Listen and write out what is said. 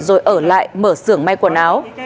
rồi ở lại mở sưởng may quần áo